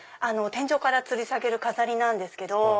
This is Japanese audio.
天井からつり下げる飾りなんですけど。